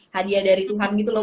hadiah dari tuhan gitu loh